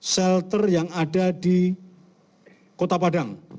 shelter yang ada di kota padang